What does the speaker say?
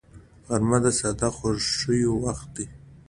غرمه د ساده خوښیو وخت دی